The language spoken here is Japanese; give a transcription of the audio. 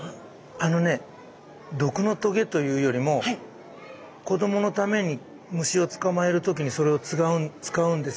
あのね毒のとげというよりも子どものために虫を捕まえる時にそれを使うんです